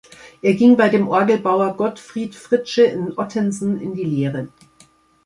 Er ging bei dem Orgelbauer Gottfried Fritzsche in Ottensen in die Lehre.